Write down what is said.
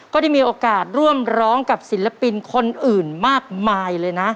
ก็ได้มีโอกาสร่วมร้องกับศิลปินคนอื่นมากมายเลยนะ